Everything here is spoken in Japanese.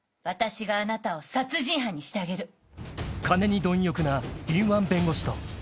私があなたを殺人犯にしてあげる」［金に貪欲な敏腕弁護士と］